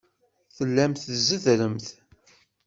Tellamt tzeddremt.